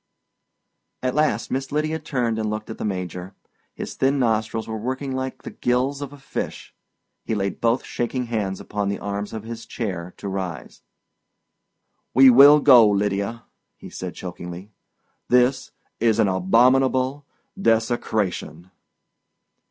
At last Miss Lydia turned and looked at the Major. His thin nostrils were working like the gills of a fish. He laid both shaking hands upon the arms of his chair to rise. "We will go, Lydia," he said chokingly. "This is an abominable—desecration."